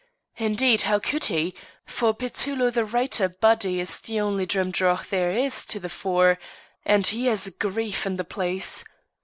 Indeed, how could he? for Petullo the writer body is the only Drimdarroch there is to the fore, and he has a grieve in the place.